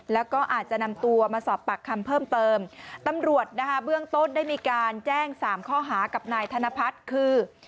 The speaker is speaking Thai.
แล้วก็อาจจะนำตัวมาสอบปากคำเพิ่มเติมตำรวจนะคะเบื้องต้นได้มีการแจ้งสามข้อหากับนายธนพัฒน์คือ